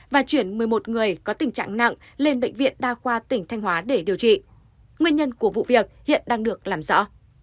và chuyển một mươi một người có tình trạng nặng lên bệnh viện đa khoa tỉnh thanh hóa để điều trị nguyên nhân của vụ việc hiện đang được làm rõ